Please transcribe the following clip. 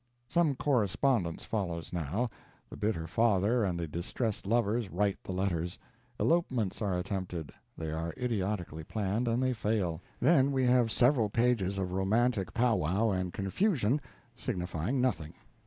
Some correspondence follows now. The bitter father and the distressed lovers write the letters. Elopements are attempted. They are idiotically planned, and they fail. Then we have several pages of romantic powwow and confusion signifying nothing.